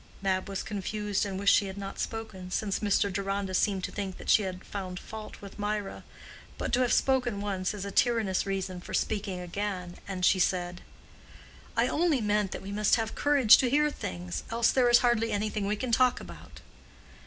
Mab was confused and wished she had not spoken, since Mr. Deronda seemed to think that she had found fault with Mirah; but to have spoken once is a tyrannous reason for speaking again, and she said, "I only meant that we must have courage to hear things, else there is hardly anything we can talk about."